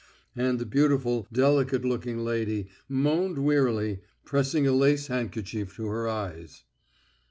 And the beautiful, delicate looking lady moaned wearily, pressing a lace handkerchief to her eyes.